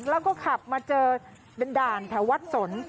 แล้วก็ขับมาเจอเป็นด่านแถววัดสน